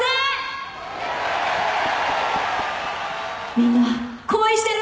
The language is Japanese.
みんな恋してる？